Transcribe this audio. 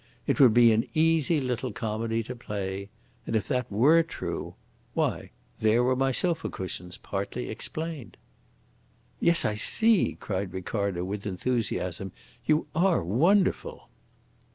It would be an easy little comedy to play. And if that were true why, there were my sofa cushions partly explained." "Yes, I see!" cried Ricardo, with enthusiasm. "You are wonderful."